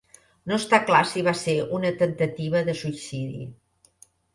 No està clar si va ser una temptativa de suïcidi.